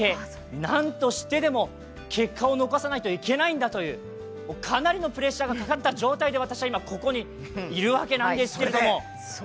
なんとしてでも結果を残さないといけないんだというかなりのプレッシャーがかかった状態で私はここにいるわけなんですけど。